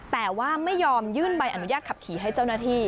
แต่ว่าไม่ยอมยื่นใบอนุญาตขับขี่ให้เจ้าหน้าที่